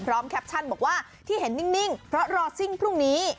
แคปชั่นบอกว่าที่เห็นนิ่งเพราะรอซิ่งพรุ่งนี้